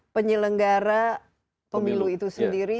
penyelenggara pemilu itu sendiri